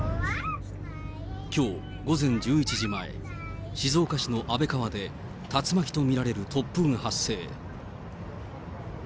きょう午前１１時前、静岡市の安倍川で竜巻と見られる突風が発生。